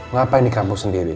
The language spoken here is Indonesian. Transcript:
ngapain di kampus sendiri